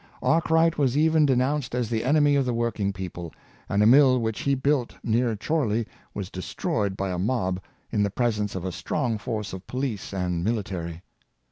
Arkwright was even de nounced as the enemy of the working people, and a mill which he built near Chorley was destroyed b}' a mob in the presence of a strong force of police and mil itary.